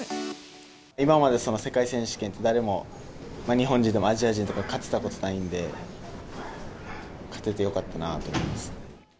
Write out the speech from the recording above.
今まで世界選手権で、誰も日本人でもアジア人とか勝てたことないんで、勝ててよかったなと思います。